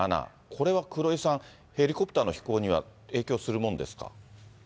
これは黒井さん、ヘリコプターの飛行には影響するもんですか。